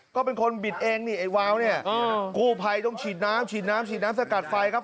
ก็เป็นคนบิดเองนี่ไอ้วาวเนี่ยกู้ภัยต้องฉีดน้ำฉีดน้ำฉีดน้ำสกัดไฟครับ